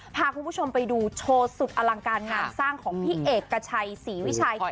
พาคุณผู้ชมไปดูโชว์สุดอลังการงานสร้างของพี่เอกชัยศรีวิชัยค่ะ